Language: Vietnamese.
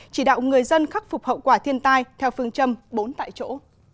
chỉ đạo người dân khắc phục hậu quả thiên tai theo phương châm bốn tại chỗ